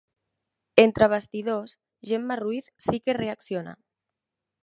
Entre bastidors Gemma Ruiz sí que reacciona.